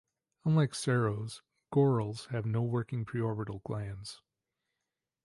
Unlike serows, gorals have no working preorbital glands.